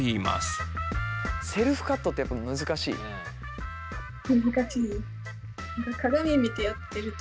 セルフカットってやっぱ難しい？えっ！？